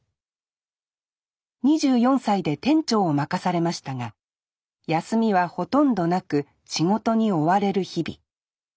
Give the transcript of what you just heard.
２４歳で店長を任されましたが休みはほとんどなく仕事に追われる日々。